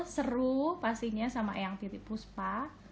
seru pastinya sama eyang titik puspa